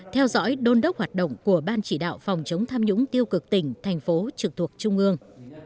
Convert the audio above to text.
theo dõi đôn đốc hoạt động của ban chỉ đạo phòng chống tham nhũng tiêu cực tỉnh thành phố trực thuộc trung ương